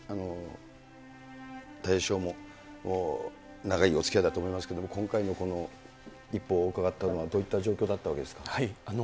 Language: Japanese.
たい平師匠も、長いおつきあいだと思いますけれども、今回のこの一報を伺ったのは、どういった状況だったんですか。